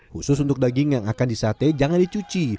khusus untuk daging yang akan disate jangan dicuci